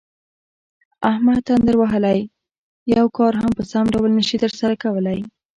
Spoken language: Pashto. احمد تندر وهلی یو کار هم په سم ډول نشي ترسره کولی.